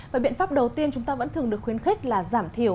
và biện pháp đầu tiên chúng ta vẫn thường được khuyến khích là giảm thiểu